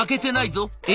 「え？